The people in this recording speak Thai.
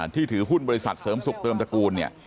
ที่ถือหุ้นบริษัทเสริมสุขเติมจักรคูณเนี่ย